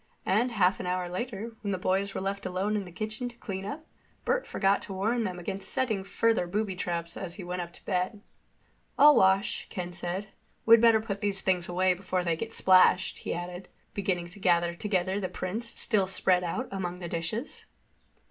And half an hour later, when the boys were left alone in the kitchen to clean up, Bert forgot to warn them against setting further booby traps as he went up to bed. "I'll wash," Ken said. "We'd better put these things away before they get splashed," he added, beginning to gather together the prints still spread out among the dishes.